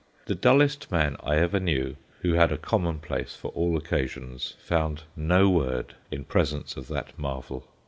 The dullest man I ever knew, who had a commonplace for all occasions, found no word in presence of that marvel.